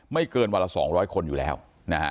เกินวันละ๒๐๐คนอยู่แล้วนะฮะ